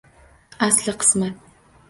Asli qismat